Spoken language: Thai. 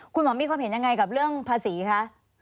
คุณหมอมีความเห็นยังไงกับเรื่องภาษีคะ